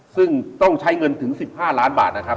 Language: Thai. ซึ่งต้องใช้เงินถึง๑๕ล้านบาทนะครับ